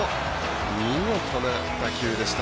見事な打球でした。